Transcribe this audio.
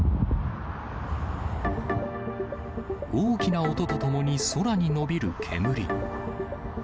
大きな音とともに空に伸びる煙。